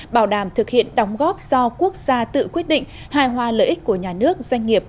bảo đảm thực hiện đóng góp do quốc gia tự quyết định hài hòa lợi ích của nhà nước doanh nghiệp